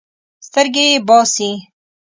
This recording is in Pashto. سترګې یې باسي.